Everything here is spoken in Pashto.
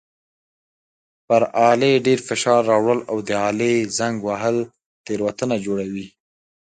پر آلې ډېر فشار راوړل او د آلې زنګ وهل تېروتنه جوړوي.